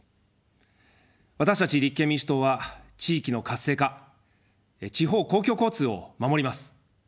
私たち立憲民主党は地域の活性化、地方公共交通を守ります。